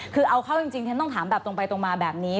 คือเอาเข้าจริงฉันต้องถามแบบตรงไปตรงมาแบบนี้